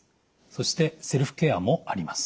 そしてセルフケアもあります。